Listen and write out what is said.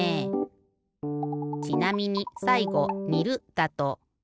ちなみにさいごにるだと。